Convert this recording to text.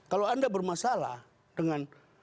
kalau anda bermasalah dengan